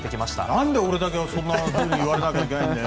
なんで俺だけそんなふうに言われなきゃいけないんだよ。